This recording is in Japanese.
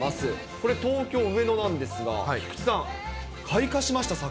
これ、東京・上野なんですが、菊池さん、開花しました、桜。